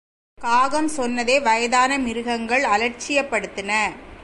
காகம் சொன்னதை வயதான மிருகங்கள் அலட்சியப்படுத்தின.